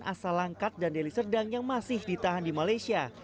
asal langkat dan deli serdang yang masih ditahan di malaysia